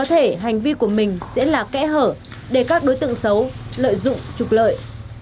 hành vi của mình sẽ là kẽ hở để các đối tượng xấu lợi dụng trục lợi